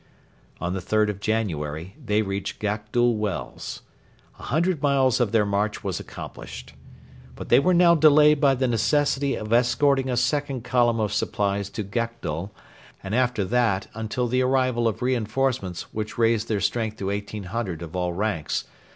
On the 3rd of January they reached Gakdul Wells. A hundred miles of their march was accomplished. But they were now delayed by the necessity of escorting a second column of supplies to Gakdul, and after that until the arrival of reinforcements which raised their strength to 1,800 of all ranks.